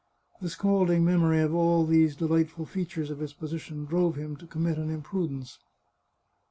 The scalding memory of all these delightful features of his position drove him to commit an imprudence.